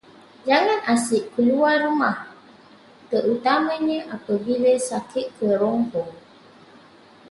Jangan asyik keluar rumah, terutamanya apabila sakit kerongkong.